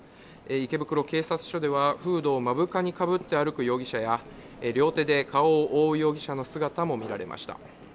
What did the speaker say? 池袋警察署ではフードを目深にかぶった容疑者や両手で顔を覆う容疑者の姿も見られました。